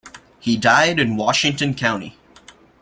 He died in Washington County.